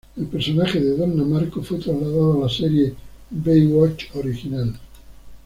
El personaje de Donna Marco fue trasladado a la serie "Baywatch" original.